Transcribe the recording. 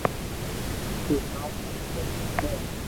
تو ھڻاو ڪاو ڪروو کپي